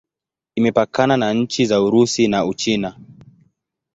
Imepakana na nchi za Urusi na Uchina.